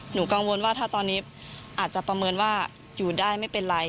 กังวลว่าถ้าตอนนี้อาจจะประเมินว่าอยู่ได้ไม่เป็นไร